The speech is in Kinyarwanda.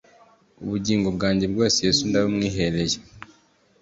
Ubugingo bwanjye bwose yesu ndabukwihereye